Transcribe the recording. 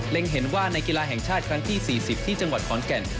เห็นว่าในกีฬาแห่งชาติครั้งที่๔๐ที่จังหวัดขอนแก่น